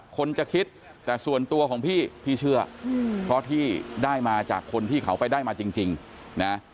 คนจะคิดแต่ส่วนตัวของพี่พี่เชื่อเพราะที่ได้มาจากคนที่เขาไปได้มาจริงนะ